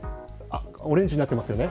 オレンジになってますよね。